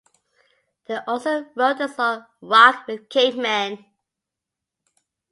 They also wrote the song "Rock with Cavemen".